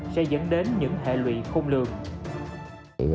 sẽ dẫn đến những hệ lụy khung lường